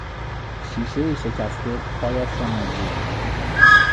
شیشهی شکسته پایش را مجروح کرد.